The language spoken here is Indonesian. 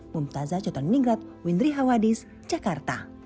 mumtazah jatuningrat windri hawadis jakarta